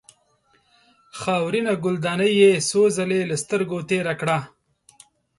خاورینه ګلدانۍ یې څو ځله له سترګو تېره کړه.